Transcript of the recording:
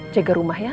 jaga rumah ya